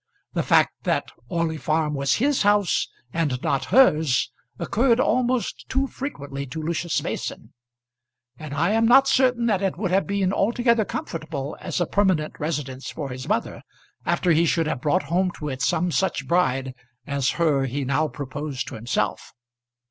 The fact that Orley Farm was his house and not hers occurred almost too frequently to Lucius Mason; and I am not certain that it would have been altogether comfortable as a permanent residence for his mother after he should have brought home to it some such bride as her he now proposed to himself.